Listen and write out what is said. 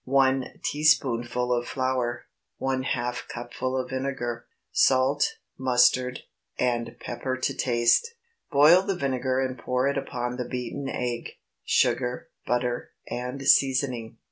1 teaspoonful of flour. ½ cupful of vinegar. Salt, mustard, and pepper to taste. Boil the vinegar and pour it upon the beaten egg, sugar, butter, and seasoning.